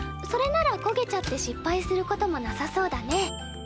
それならこげちゃって失敗することもなさそうだね。